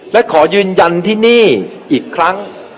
และขอยืนยันที่นี่อีกครั้ง